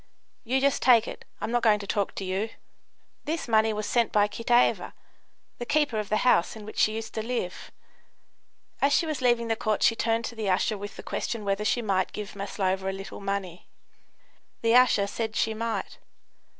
"You just take it. I'm not going to talk to you." This money was sent by Kitaeva, the keeper of the house in which she used to live. As she was leaving the court she turned to the usher with the question whether she might give Maslova a little money. The usher said she might.